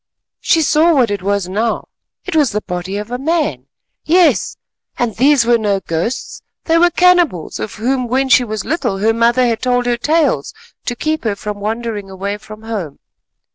She saw what it was now—it was the body of a man. Yes, and these were no ghosts; they were cannibals of whom when she was little, her mother had told her tales to keep her from wandering away from home.